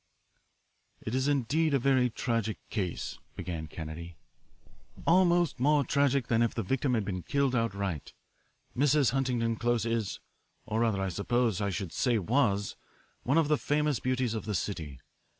"It is indeed a very tragic case," began Kennedy, "almost more tragic than if the victim had been killed outright. Mrs. Huntington Close is or rather I suppose I should say was one of the famous beauties of the city.